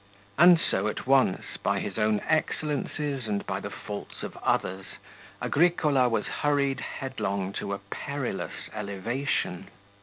And so at once, by his own excellences and by the faults of others, Agricola was hurried headlong to a perilous elevation.